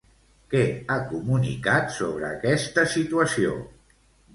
Què ha comunicat sobre aquesta situació?